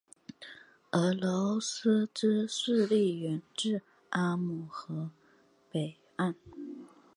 俄罗斯之势力远至阿姆河北岸。